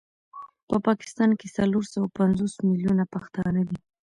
په پاکستان کي څلور سوه پنځوس مليونه پښتانه دي